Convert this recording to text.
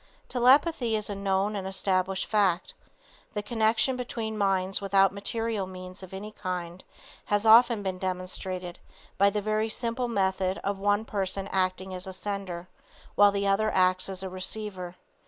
Telepathy is a known and established fact. The connection between minds without material means of any kind, has often been demonstrated by the very simple method of one person acting as a sender, while the other acts as a receiver.